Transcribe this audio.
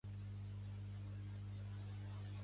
L'os és el senyal parlant relatiu al nom de la població.